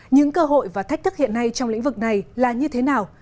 những cơ hội và thách thức hiện nay trong lĩnh vực này là như thế nào